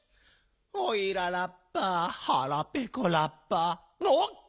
「おいらラッパーはらぺこラッパー」おっ！